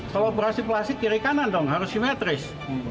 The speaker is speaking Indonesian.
kalau operasi plastik kiri kanan dong harus simetris